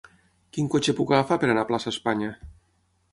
Quin cotxe puc agafar per anar a Plaça Espanya?